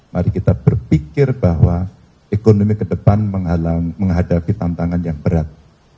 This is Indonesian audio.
mari kita berpikir bahwa ekonomi ke depan menghadapi tantangan yang berat